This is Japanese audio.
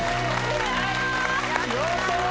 やった！